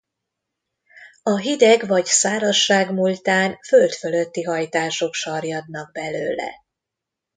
A hideg vagy szárazság múltán föld fölötti hajtások sarjadnak belőle.